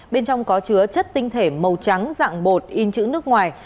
bên trong có chứa chất tinh thể màu trắng dạng bột in chữ nước ngoài